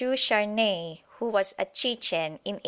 Charnay, who was at Chichen in 1881.